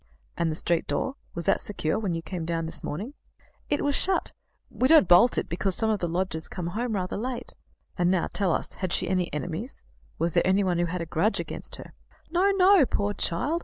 "And the street door; was that secure when you came down this morning?" "It was shut. We don't bolt it because some of the lodgers come home rather late." "And now tell us, had she any enemies? Was there anyone who had a grudge against her?" "No, no, poor child!